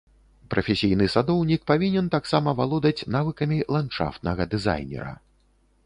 Прафесійны садоўнік павінен таксама валодаць навыкамі ландшафтнага дызайнера.